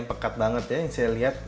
pekat banget ya saya lihat